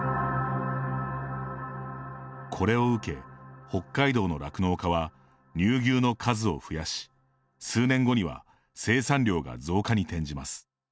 これを受け、北海道の酪農家は乳牛の数を増やし、数年後には生産量が増加に転じます。